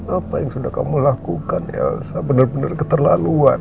apa yang sudah kamu lakukan yeltsa bener bener keterlaluan